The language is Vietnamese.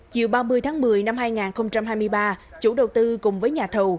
chiều ba mươi tháng một mươi năm hai nghìn hai mươi ba chủ đầu tư cùng với nhà thầu